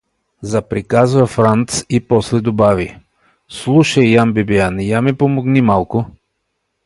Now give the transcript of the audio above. Заприказва Франц и после добави: — Слушай, Ян Бибиян, я ми помогни малко.